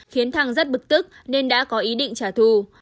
khiến thăng rất bực tức nên đã có ý định trả thù